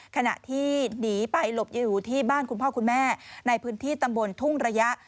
ขณะที่หนีไปหลบอยู่ที่บ้านคุณพ่อคุณแม่ในพื้นที่ตำบลทุ่งระยะ